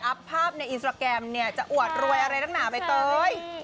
ภาพในอินสตราแกรมเนี่ยจะอวดรวยอะไรนักหนาใบเตย